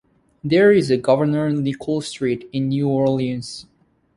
There is a "Governor Nicholls Street" in New Orleans.